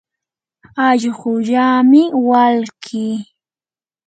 allquullami walkii.